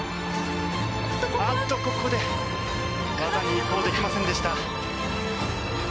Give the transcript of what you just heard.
あっと、ここで技に移行できませんでした。